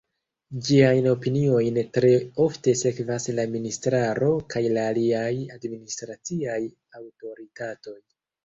Ĝiajn opiniojn tre ofte sekvas la ministraro kaj la aliaj administraciaj aŭtoritatoj.